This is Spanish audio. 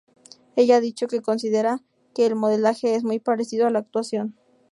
Ella ha dicho que considera que el modelaje es muy parecido a la actuación.